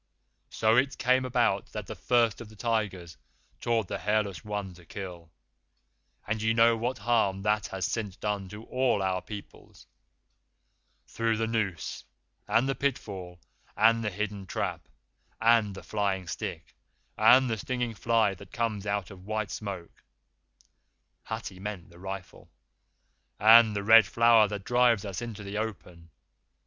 So it came about that the First of the Tigers taught the Hairless One to kill and ye know what harm that has since done to all our peoples through the noose, and the pitfall, and the hidden trap, and the flying stick and the stinging fly that comes out of white smoke [Hathi meant the rifle], and the Red Flower that drives us into the open.